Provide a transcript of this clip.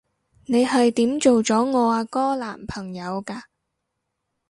你係點做咗我阿哥男朋友㗎？